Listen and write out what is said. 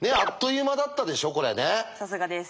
さすがです。